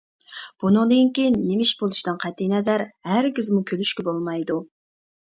بۇنىڭدىن كېيىن نېمە ئىش بولۇشىدىن قەتئىينەزەر، ھەرگىزمۇ كۈلۈشكە بولمايدۇ.